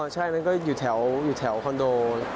ใช่นั้นก็อยู่แถวคอนโด